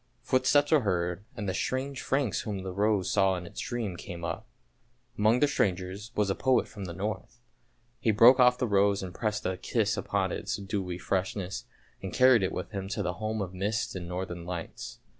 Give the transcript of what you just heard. Footsteps were heard and the strange Franks whom the rose saw in its dream came up. Among the strangers was a poet from the North, he broke off the rose and pressed a kiss upon its dewy freshness, and carried it with him to the home of mists and northern lights.